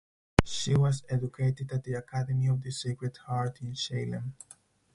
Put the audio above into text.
She was educated at the Academy of the Sacred Heart in Salem.